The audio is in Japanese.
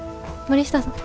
森下さん？